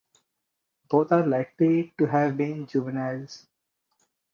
Both are likely to have been juveniles.